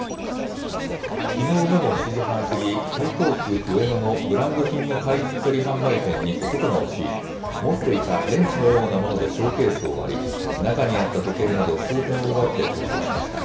きのう午後７時半過ぎ、台東区上野のブランド品の買い取り販売店に男が押し入り、持っていたレンチのようなものでショーケースを割り、中にあった時計など数点を奪って逃走しました。